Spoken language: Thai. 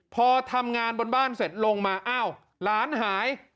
พอทำงานบนบ้านเสร็จลงมาอ้าวหลานหาย